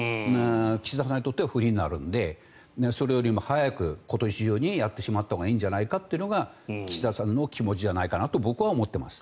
岸田さんにとっては不利になるので、それよりも早く今年中にやってしまったほうがいいんじゃないかというのが岸田さんの気持ちじゃないかなと僕は思っています。